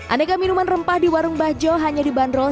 aneka minuman rempah di warung bajo hanya dibanderol